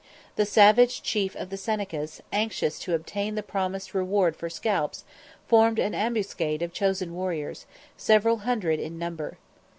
The savage chief of the Senecas, anxious to obtain the promised reward for scalps, formed an ambuscade of chosen warriors, several hundred in number.